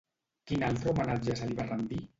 Quin altre homenatge se li va rendir?